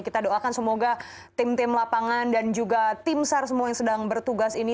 kita doakan semoga tim tim lapangan dan juga tim sar semua yang sedang bertugas ini